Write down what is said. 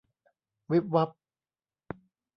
วิบวับ